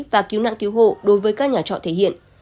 và cứu nạn cứu hộ đối với các nhà trọ thể hiện